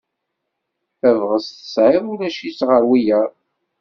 Tabɣest tesɛiḍ ulac-itt ɣer wiyaḍ.